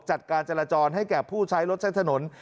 จัดการจราจรให้แก่ผู้ใช้รถใช้ถนน